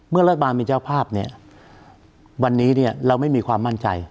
เมื่อรัฐบาลเป็นเจ้าภาพวันนี้เราไม่มีความมั่นใจ